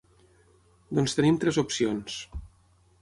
Doncs tenim tres opcions.